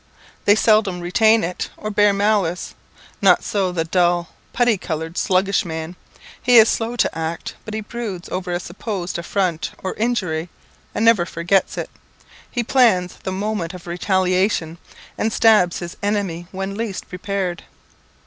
They seldom retain it, or bear malice. Not so the dull, putty coloured, sluggish man. He is slow to act, but he broods over a supposed affront or injury, and never forgets it. He plans the moment of retaliation, and stabs his enemy when least prepared.